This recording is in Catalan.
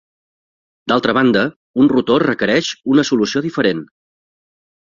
D'altra banda, un rotor requereix una solució diferent.